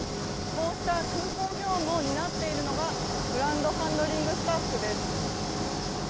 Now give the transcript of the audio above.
こうした空港業務を担っているのがグランドハンドリングスタッフです。